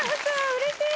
うれしい。